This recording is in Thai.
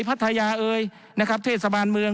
พัทยาเอยนะครับเทศบาลเมือง